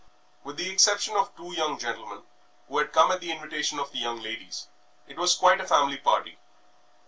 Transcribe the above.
With the exception of two young gentlemen, who had come at the invitation of the young ladies, it was quite a family party.